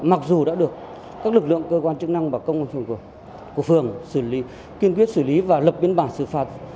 mặc dù đã được các lực lượng cơ quan chức năng và công an phường của phường kiên quyết xử lý và lập biên bản xử phạt